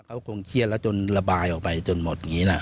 เขาคงเครียดแล้วจนระบายออกไปจนหมดอย่างนี้นะ